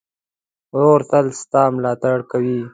ورور تل ستا ملاتړ کوي.